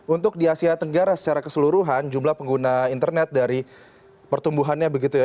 untuk di asia tenggara secara keseluruhan jumlah pengguna internet dari pertumbuhannya begitu ya